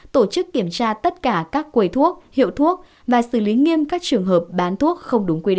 tổ chức kiểm tra tất cả các quầy thuốc hiệu thuốc và xử lý nghiêm các trường hợp bán thuốc không đúng quy định